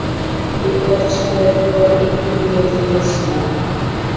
Bekoff ছাড়ার পর একটু বিরতি নিয়েছিলাম।